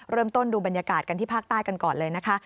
ดูบรรยากาศกันที่ภาคใต้กันก่อนเลยนะคะ